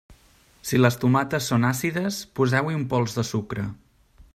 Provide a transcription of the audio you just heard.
Si les tomates són àcides, poseu-hi un pols de sucre.